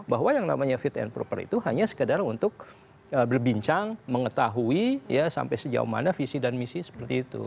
bahwa yang namanya fit and proper itu hanya sekedar untuk berbincang mengetahui ya sampai sejauh mana visi dan misi seperti itu